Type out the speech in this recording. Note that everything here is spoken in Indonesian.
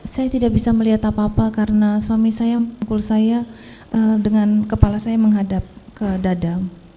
saya tidak bisa melihat apa apa karena suami saya pukul saya dengan kepala saya menghadap ke dada